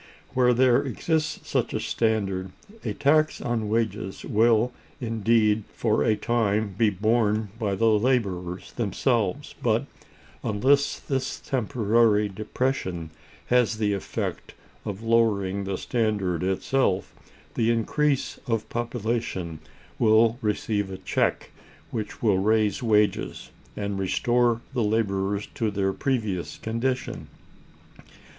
Where there exists such a standard, a tax on wages will indeed for a time be borne by the laborers themselves; but, unless this temporary depression has the effect of lowering the standard itself, the increase of population will receive a check, which will raise wages, and restore the laborers to their previous condition.